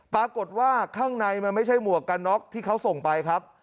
ข้างในมันไม่ใช่หมวกกันน็อกที่เขาส่งไปครับ